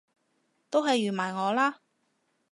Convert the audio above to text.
都係預埋我啦！